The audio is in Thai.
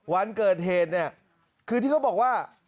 วันเกิดเหตุเนี่ยคือที่เขาบอกว่า